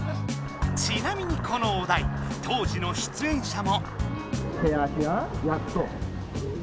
ちなみにこのお題当時の出えんしゃも。